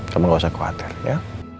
kamu gak usah khawatir ya